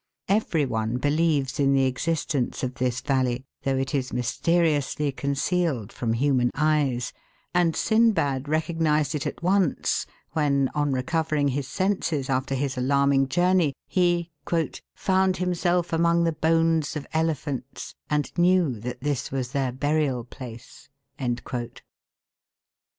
Every one believes in the existence of this valley, though it is mysteriously concealed from human eyes, and Sindbad recognised it at once, when, on recovering his senses after his alarming journey, he "found, himself among the bones of elephants, and knew that this was their burial place."